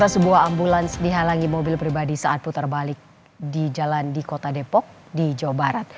sebuah ambulans dihalangi mobil pribadi saat putar balik di jalan di kota depok di jawa barat